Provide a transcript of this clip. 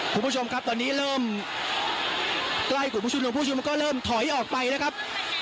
คุณผู้ชมครับตอนนี้เริ่มใกล้กลุ่มผู้ชุมนุมผู้ชุมนุมก็เริ่มถอยออกไปนะครับ